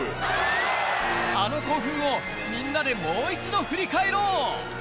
あの興奮をみんなでもう一度ふり返ろう！